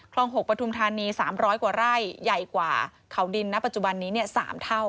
๖ปทุมธานี๓๐๐กว่าไร่ใหญ่กว่าเขาดินณปัจจุบันนี้๓เท่า